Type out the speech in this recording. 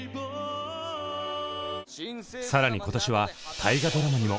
更に今年は大河ドラマにも。